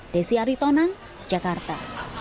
desy aritonan jakarta